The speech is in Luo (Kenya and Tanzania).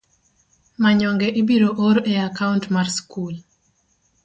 Manyonge ibiro or e akaunt mar skul.